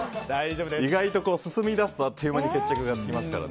意外と進み出すとあっという間に決着がつきますから。